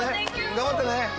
頑張ってね。